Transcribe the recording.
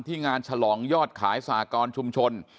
งานฉลองยอดขายสากรชุมชน